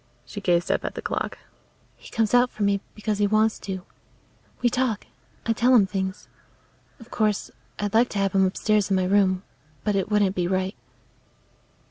She gazed up at the clock. "He comes out for me because he wants to. We talk; I tell him things. Of course, I'd like to have him upstairs in my room, but it wouldn't be right."